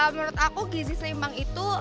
menurut aku gizi seimbang itu